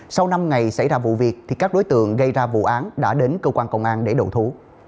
sau năm ngày xảy ra vụ việc thì các đối tượng gây ra vụ án đã đến cơ quan công an để đầu thú